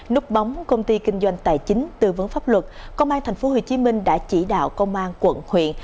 núp bóng công ty kinh doanh tài chính tư vấn pháp luật công an tp hcm đã chỉ đạo công an quận huyện